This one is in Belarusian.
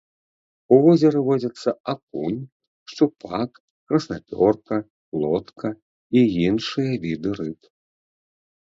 У возеры водзяцца акунь, шчупак, краснапёрка, плотка і іншыя віды рыб.